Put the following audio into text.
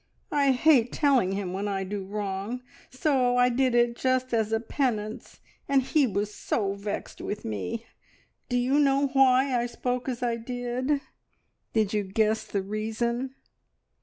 I hate telling him when I do wrong, so I did it just as a penance, and he was so vexed with me. Do you know why I spoke as I did? Did you guess the reason?"